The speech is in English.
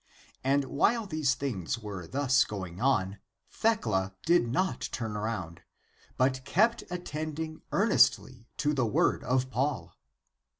And while these things were thus going on, Thecla did not turn round, but kept attending earnestly to the word of Paul.